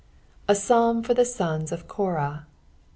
A Ps&lm tor the Sons of Korah.